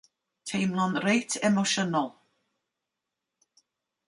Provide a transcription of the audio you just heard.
Teimlo'n reit emosiynol.